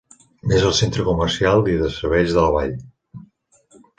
És el centre comercial i de serveis de la vall.